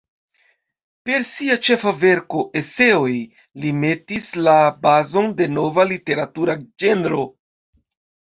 Per sia ĉefa verko "Eseoj", li metis la bazon de nova literatura ĝenro.